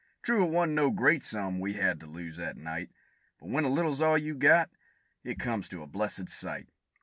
True, it wa'n't no great sum we had to lose that night, But when a little's all you've got, it comes to a blessed sight.